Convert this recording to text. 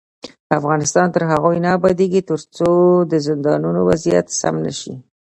افغانستان تر هغو نه ابادیږي، ترڅو د زندانونو وضعیت سم نشي.